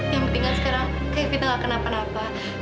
yang penting sekarang kak evita gak kena apa apa